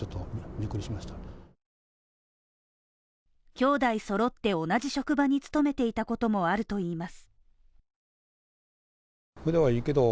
兄弟揃って同じ職場に勤めていたこともあるといいます。